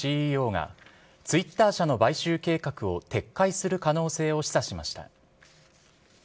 ＣＥＯが、ツイッター社の買収計画を撤回する可能性を示唆しました。